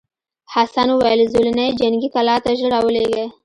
حسن وویل زولنې جنګي کلا ته ژر راولېږه.